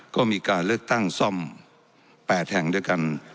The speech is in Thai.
ก็มีการเลือกตั้งซ่อม๘แห่งด้วยกัน